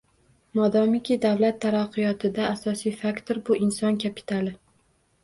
Modomiki davlat taraqqiyotida asosiy faktor bu inson kapitali.